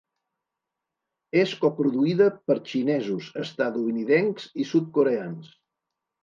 És coproduïda per xinesos, estatunidencs i sud-coreans.